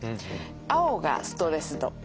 青がストレス度。